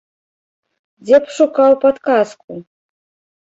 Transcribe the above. Дзе б шукаў падказку?